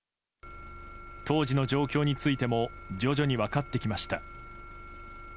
当時の状況についても徐々に分かってきました。